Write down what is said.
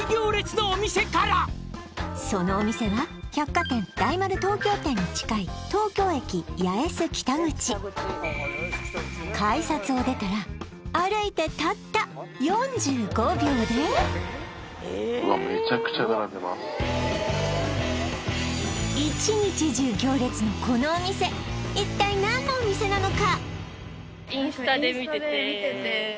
そのお店は百貨店大丸東京店に近い改札を出たら歩いてたった４５秒で１日中行列のこのお店一体何のお店なのか？